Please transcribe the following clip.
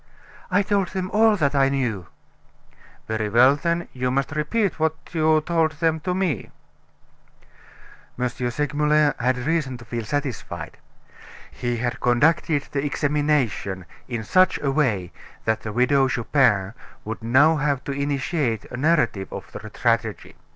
"I told them all that I knew." "Very well, then, you must repeat what you told them to me." M. Segmuller had reason to feel satisfied. He had conducted the examination in such a way that the Widow Chupin would now have to initiate a narrative of the tragedy.